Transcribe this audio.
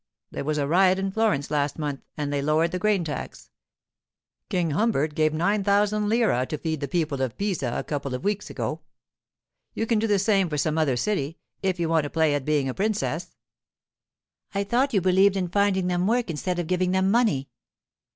There was a riot in Florence last month, and they lowered the grain tax; King Humbert gave nine thousand lire to feed the people of Pisa a couple of weeks ago. You can do the same for some other city, if you want to play at being a princess.' 'I thought you believed in finding them work instead giving them money.